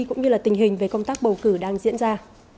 cũng như là tình hình về công tác bầu cử đang diễn ra